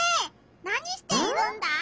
何しているんだ？